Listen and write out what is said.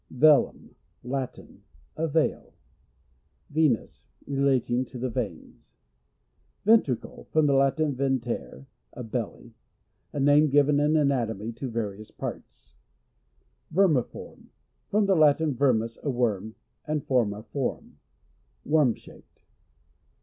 Velum. — Latin. A veil. Venous. — Relating to the veins. Ventricle. — From the Lai in, venter, a belly. A name given iu anatomy to various parts. Vermiform. — From the Latin, vermis a worm, and forma, form. Worm shaped.